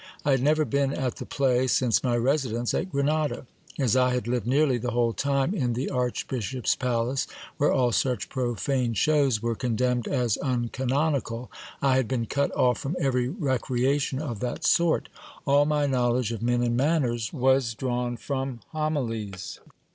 I had never been at the play since my residence at Grenada. As I had lived nearly the whole time in the archbishop's palace, where all such profane shews were condemned as uncanonical, I had been cut off from even recreation of that sort. All my knowledge of men and manners was drawn from homilies